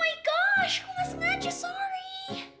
kok gak sengaja